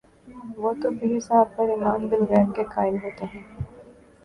وہ تو پیر صاحب پر ایمان بالغیب کے قائل ہوتے ہیں۔